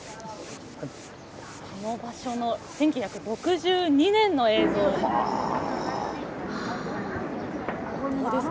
この場所の１９６２年の映像です。